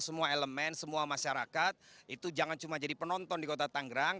semua elemen semua masyarakat itu jangan cuma jadi penonton di kota tanggerang